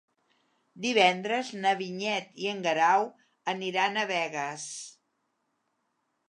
Divendres na Vinyet i en Guerau aniran a Begues.